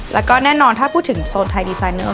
แล้วก็แน่นอนถ้าพูดถึงโซนไทยดีไซเนอร์